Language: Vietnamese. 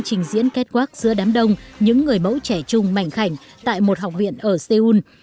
trình diễn kết quát giữa đám đông những người mẫu trẻ trung mạnh khảnh tại một học viện ở seoul